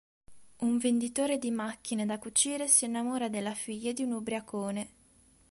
Un venditore di macchine da cucire si innamora della figlia di un ubriacone.